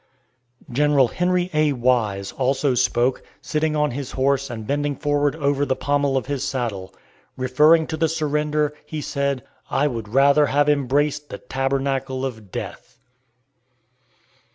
General Henry A. Wise also spoke, sitting on his horse and bending forward over the pommel of his saddle. Referring to the surrender, he said, "I would rather have embraced the tabernacle of death."